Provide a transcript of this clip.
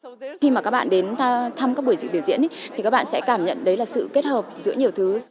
khi mà các bạn đến thăm các buổi dự biểu diễn thì các bạn sẽ cảm nhận đấy là sự kết hợp giữa nhiều thứ